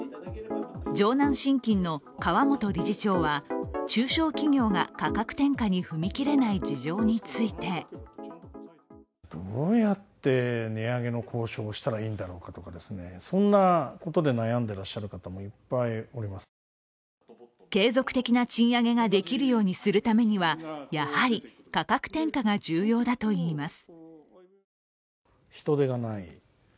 城南信金の川本理事長は、中小企業が価格転嫁に踏み切れない事情について継続的な賃上げができるようにするためには、やはり価格転嫁が重要だといいます。